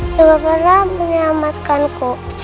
juga pernah menyelamatkanku